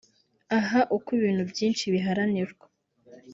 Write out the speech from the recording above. Aha uko ibintu byinshi biharanirwa